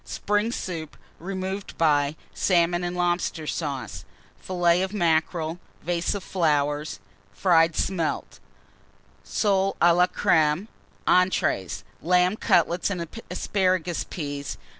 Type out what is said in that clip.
_ Spring Soup, removed by Salmon and Lobster Sauce. Fillet of Mackerel. Vase of Fried Smelts. Flowers. Soles a la Crême. Entrées. Lamb Cutlets and Asparagus Peas.